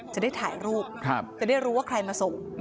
จะได้ถ่ายรูปจะได้รู้ว่าใครมาส่ง